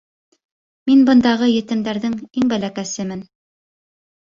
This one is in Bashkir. Мин бындағы етемдәрҙең иң бәләкәсемен.